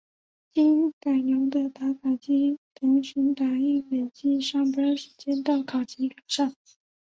经改良的打卡机同时打印累计上班时间到考勤表上。